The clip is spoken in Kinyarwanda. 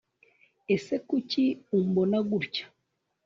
Ese Kuki umbona gutya